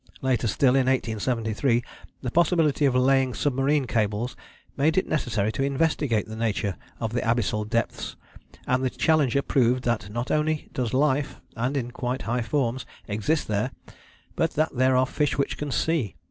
Later still, in 1873, the possibility of laying submarine cables made it necessary to investigate the nature of the abyssal depths, and the Challenger proved that not only does life, and in quite high forms, exist there, but that there are fish which can see.